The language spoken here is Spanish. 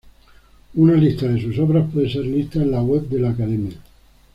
Una lista de sus obras puede ser lista en la web de la Academia.